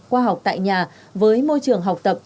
qua học tại nhà với môi trường học tập